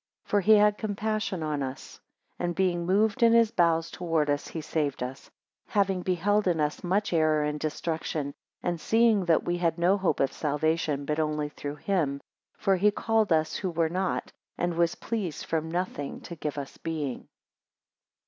9 For he had compassion upon us, and being moved in his bowels towards us, he saved us; having beheld in us much error, and destruction; and seeing that we had no hope of salvation, but only through him. 10 For he called us, who were not; and was pleased from nothing to give us being.